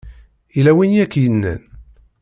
Yella win i ak-yennan?